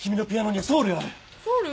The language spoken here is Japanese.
ソウル？